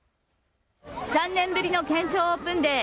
３年ぶりの県庁オープンデー。